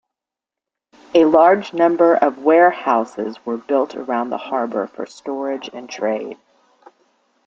A large number of warehouses were built around the harbour for storage and trade.